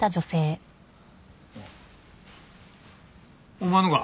お前のか？